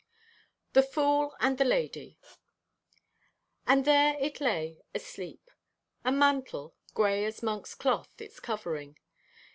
THE FOOL AND THE LADY And there it lay, asleep. A mantle, gray as monk's cloth, its covering.